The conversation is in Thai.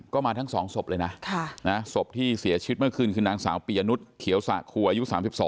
ก็มาทั้ง๒ศพเลยนะศพที่เสียชีวิตเมื่อคืนคือนางสาวปียนุษย์เขียวสะครูอายุ๓๒